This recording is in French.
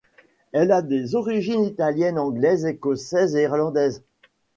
Elle a des origines italiennes, anglaises, écossaises et irlandaises.